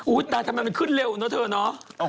ตาทำไมมันขึ้นเร็วเนอะเธอเนาะ